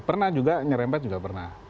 pernah juga nyerempet juga pernah